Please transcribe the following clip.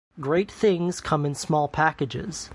Great things come in small packages.